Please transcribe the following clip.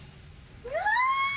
うわ！